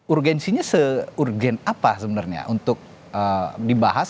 urgensinya se urgen apa sebenarnya untuk dibahas